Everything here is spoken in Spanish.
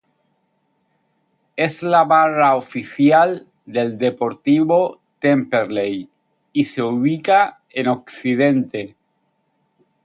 Es la barra oficial del "Deportivo Temperley" y se ubica en Occidente.